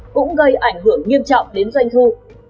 cũng gây ảnh hưởng nghiêm trọng đến doanh thu